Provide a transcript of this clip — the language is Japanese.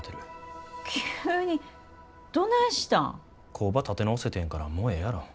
工場立て直せてんやからもうええやろ。